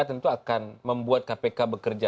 tentu akan membuat kpk bekerja